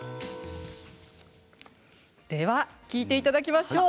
では聴いていただきましょう。